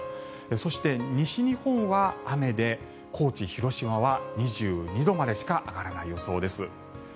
そして、西日本は雨で高知、広島は２２度までしか上がらない予想です。